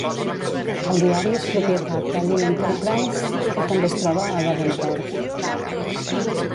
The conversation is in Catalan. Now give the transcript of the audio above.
El diari és propietat de Lee Enterprises, que també es troba a Davenport.